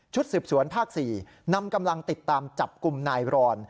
สืบสวนภาค๔นำกำลังติดตามจับกลุ่มนายรอน